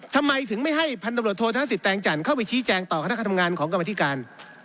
ทำไมถึงไม่ให้พันตำรวจโทษธนสิทแตงจันทร์เข้าไปชี้แจงต่อคณะทำงานของกรรมธิการ